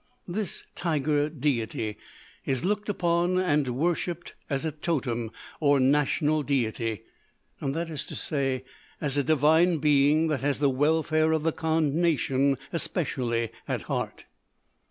This tiger deity is looked upon and worshipped as a totem or national deity that is to say, as a divine being that has the welfare of the Kandh nation especially at heart.